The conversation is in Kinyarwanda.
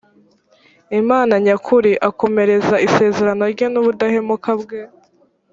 imana nyakuri; akomereza isezerano rye n’ubudahemuka bwe